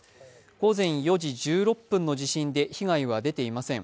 午前４時１６分の地震で被害は出ていません。